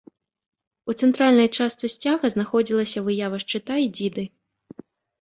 У цэнтральнай частцы сцяга знаходзілася выява шчыта і дзіды.